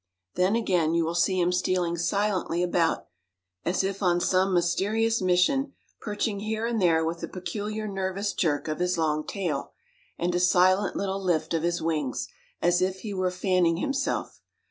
Then, again, you will see him stealing silently about as if on some mysterious mission, perching here and there with a peculiar nervous jerk of his long tail, and a silent little lift of his wings, as if he were fanning himself.